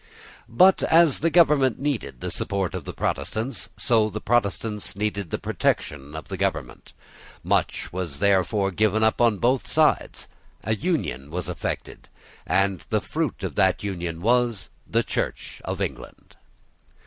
But, as the government needed the support of the protestants, so the Protestants needed the protection of the government. Much was therefore given up on both sides: an union was effected; and the fruit of that union was the Church of England.